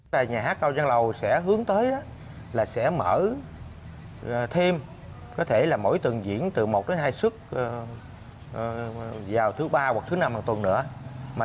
tại nhà hát cao giang lầu sẽ hướng tới là sẽ mở thêm có thể là mỗi tuần diễn từ một đến hai xuất vào thứ ba hoặc thứ năm hàng tuần nữa